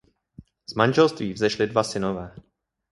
Z manželství vzešli dva synové.